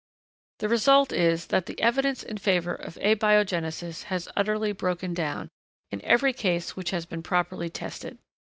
The result is that the evidence in favor of abiogenesis has utterly broken down, in every case which has been properly tested.